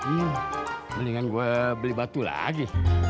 hmm mendingan gue beli batu lagi